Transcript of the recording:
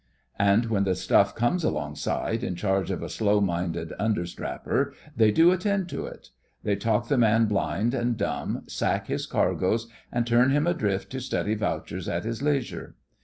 And when the stuff comes alongside in charge of a slow minded understrapper they do attend to it. They talk the man blind and dumb, sack his cargoes, and turn him adrift to study vouchers at his leisure.